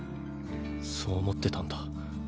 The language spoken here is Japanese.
そう思ってたんだ。